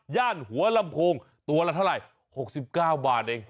หัวลำโพงตัวละเท่าไหร่๖๙บาทเอง